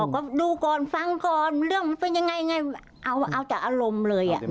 ก็ดูก่อนฟังก่อนเรื่องมันเป็นยังไงไงเอาจากอารมณ์เลย